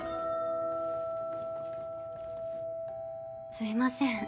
すみません。